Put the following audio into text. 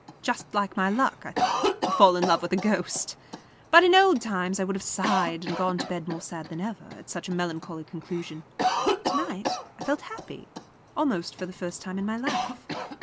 Just like my luck, I thought, to fall in love with a ghost! But in old times I would have sighed, and gone to bed more sad than ever, at such a melancholy conclusion. To night I felt happy, almost for the first time in my life.